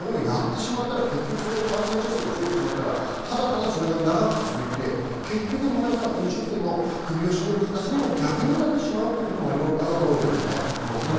やってしまったら、そこで感染者数が増えてしまったら、ただただ、それが長く続いて、飲食店の皆さんの首をしめる形に逆になってしまうということがあるわけですよね。